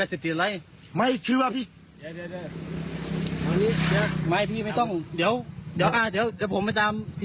เออกู้ถ่ายนะพี่เดี๋ยวเดี๋ยวไม่ต้องมาถ่ายผม